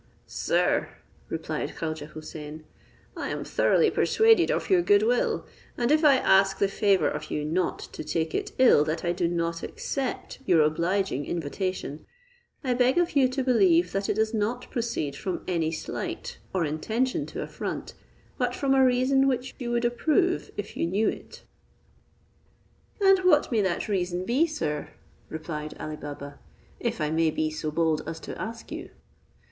"Sir," replied Khaujeh Houssain, "I am thoroughly persuaded of your good will; and if I ask the favour of you not to take it ill that I do not accept your obliging invitation, I beg of you to believe that it does not proceed from any slight or intention to affront, but from a reason which you would approve if you knew it." "And what may that reason be, sir," replied Ali Baba, "if I may be so bold as to ask you?"